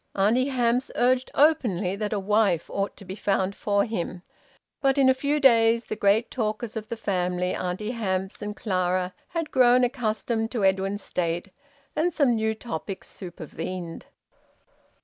Auntie Hamps urged openly that a wife ought to be found for him. But in a few days the great talkers of the family, Auntie Hamps and Clara, had grown accustomed to Edwin's state, and some new topic supervened.